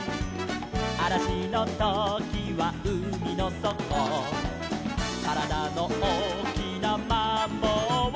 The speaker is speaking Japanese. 「あらしのときはうみのそこ」「からだのおおきなマンボウを」